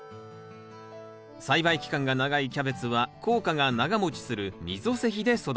栽培期間が長いキャベツは効果が長もちする溝施肥で育てます。